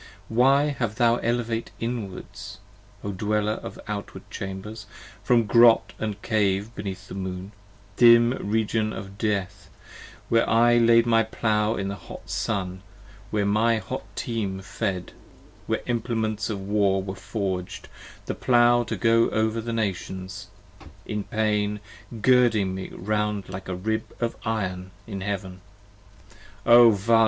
10 Why have thou elevate inward, O dweller of outward chambers, From grot & cave beneath the Moon, dim region of death, Where I laid my Plow in the hot noon, where my hot team fed, Where implements of War are forged, the Plow to go over the Nations, In pain girding me round like a rib of iron in heaven: O Vala!